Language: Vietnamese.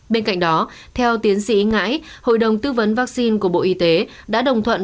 bên cạnh đó theo tiến sĩ ngãi hội đồng tư vấn vaccine của bộ y tế đã đồng thuận